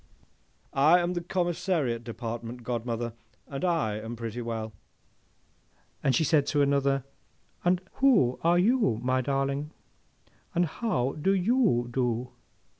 '—'I am the Commissariat Department, godmother, and I am pretty well! Then she said to another, 'Who are you, my darling, and how do you do?